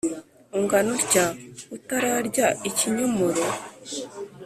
Ungana utya utararya ikinyomoro